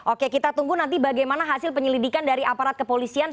oke kita tunggu nanti bagaimana hasil penyelidikan dari aparat kepolisian